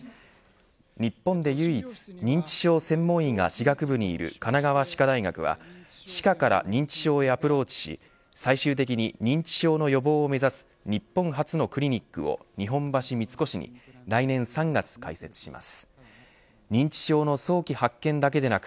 日本で唯一認知症専門医が歯学部にいる神奈川歯科大学は歯科から認知症へアプローチし最終的に認知症の予防を目指す水曜日のお天気をお伝えします。